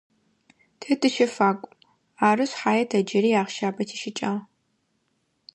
Тэ тыщэфакӏу, ары шъхьае тэ джыри ахъщабэ тищыкӏагъ.